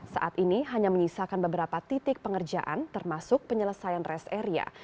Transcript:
saat ini hanya menyisakan beberapa titik pengerjaan termasuk penyelesaian rest area